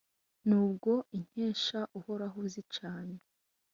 Nubwo inkesha uhora uzicanye